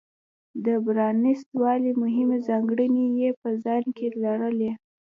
د پرانېست والي مهمې ځانګړنې یې په ځان کې لرلې.